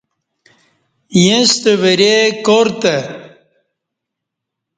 ییݩستہ ورئے کار تہ